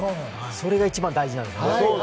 それが一番大事なんです。